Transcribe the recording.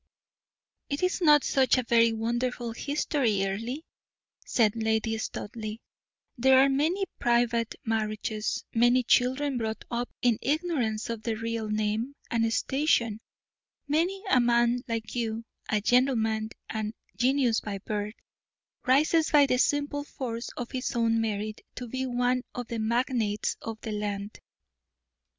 "It is not such a very wonderful history, Earle," said Lady Studleigh; "there are many private marriages, many children brought up in ignorance of their real name and station; many a man like you a gentleman and genius by birth rises by the simple force of his own merit to be one of the magnates of the land."